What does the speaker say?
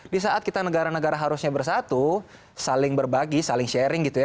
di saat kita negara negara harusnya bersatu saling berbagi saling sharing gitu ya